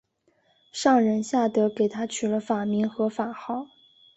上仁下德给他取了法名和法号。